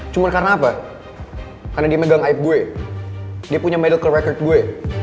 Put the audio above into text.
cuman karena apa karena dia megang aib gue dia punya medal ke record gue